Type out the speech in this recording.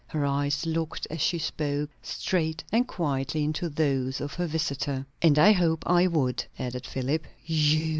Her eyes looked, as she spoke, straight and quietly into those of her visitor. "And I hope I would," added Philip. "_You?